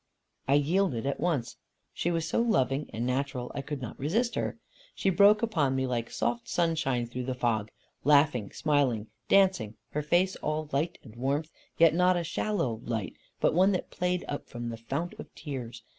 I yielded at once. She was so loving and natural, I could not resist her. She broke upon me like soft sunshine through the fog, laughing, smiling, dancing, her face all light and warmth, yet not a shallow light, but one that played up from the fount of tears.